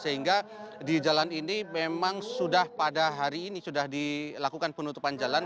sehingga di jalan ini memang sudah pada hari ini sudah dilakukan penutupan jalan